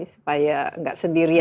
supaya gak sendirian